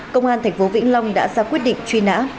công an tp vĩnh long đã ra quyết định truy nã